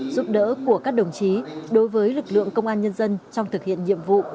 giúp đỡ của các đồng chí đối với lực lượng công an nhân dân trong thực hiện nhiệm vụ